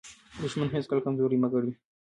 دښمن هیڅکله کمزوری مه ګڼئ.